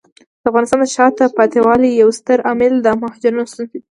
د افغانستان د شاته پاتې والي یو ستر عامل د مهاجرینو ستونزې دي.